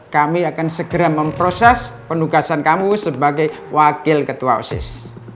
kami akan segera memproses penugasan kamu sebagai wakil ketua osis